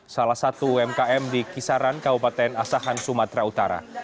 salah satu umkm di kisaran kabupaten asahan sumatera utara